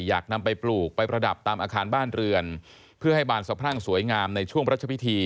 อยากนำไปปลูกไปประดับตามอาคารบ้านเรือนเพื่อให้บานสะพรั่งสวยงามในช่วงพระชพิธี